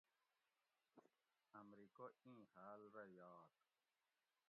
امریکہ ایں حال رہ یات